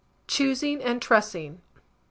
Choosing and Trussing.